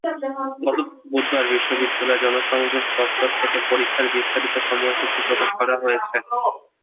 গতকাল বুধবার বিশ্ববিদ্যালয়ের জনসংযোগ দপ্তর থেকে পরীক্ষার বিস্তারিত সময়সূচি প্রকাশ করা হয়েছে।